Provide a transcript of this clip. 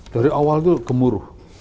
dari awal itu gemuruh